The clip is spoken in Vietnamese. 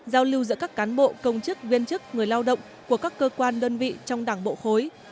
giao lưu giữa các cán bộ công chức viên chức người lao động của các cơ quan đơn vị trong đảng bộ khối